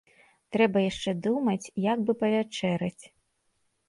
Трэба яшчэ думаць, як бы павячэраць.